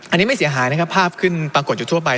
อันนี้ไม่เสียหายนะครับภาพขึ้นปรากฏอยู่ทั่วไป